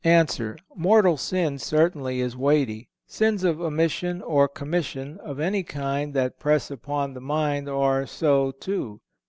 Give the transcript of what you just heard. A. Mortal sin certainly is weighty; sins of omission or commission of any kind that press upon the mind are so, too.